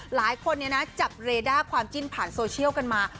หลายคนจับเรด้าความจิ้นผ่านโซเชียลกันมา